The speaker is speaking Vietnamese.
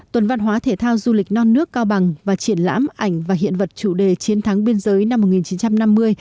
tuần văn hóa thể thao du lịch non nước cao bằng và triển lãm ảnh và hiện vật chủ đề chiến thắng biên giới năm một nghìn chín trăm năm mươi